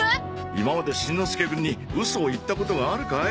今までしんのすけくんにウソを言ったことがあるかい？